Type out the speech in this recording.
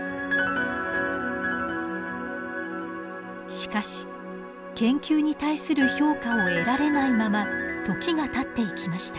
しかし研究に対する評価を得られないまま時がたっていきました。